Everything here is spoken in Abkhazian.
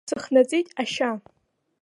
Сыхнаҵеит ашьа.